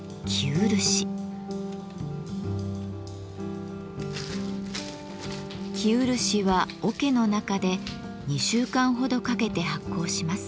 生漆はおけの中で２週間ほどかけて発酵します。